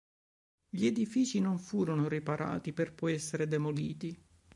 Gli edifici non furono riparati, per poi essere demoliti.